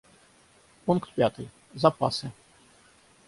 Пункт пятый: запасы.